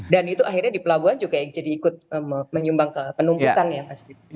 dan itu akhirnya di pelabuhan juga jadi ikut menyumbang ke penumpukan ya pasti